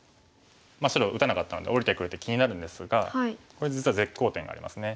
白打たなかったので下りてくる手気になるんですがこれ実は絶好点がありますね。